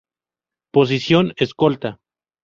Posición: Escolta.